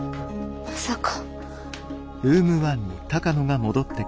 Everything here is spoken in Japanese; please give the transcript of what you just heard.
まさか。